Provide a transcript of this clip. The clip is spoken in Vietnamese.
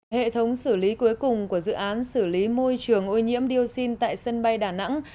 hệ thống xử lý cuối cùng của dự án xử lý môi trường ô nhiễm dioxin tại sân bay đà nẵng